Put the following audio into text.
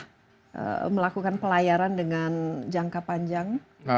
kita melakukan pelayaran dengan jangka panjang